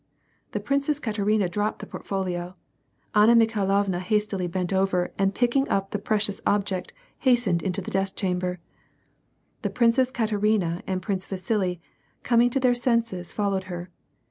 * The Princess Katerina dropped the portfolio. Anna Mikhai lovna hastily bent over and picking up the precious object, hastened into the death chamber. The Princess Katerina and l^rince Viusili, coming to their senses, followed her.